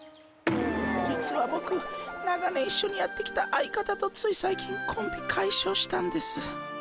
実はボク長年一緒にやってきた相方とつい最近コンビ解消したんです。